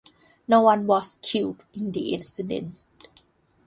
No one was killed in the incident.